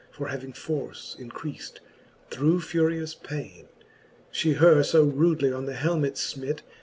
For having force increaft through furious paine, She her fb rudely on the helmet fmit.